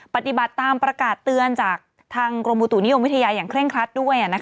ปฏิบัติตามประกาศเตือนจากทางกรมบุตุนิยมวิทยาอย่างเคร่งครัดด้วย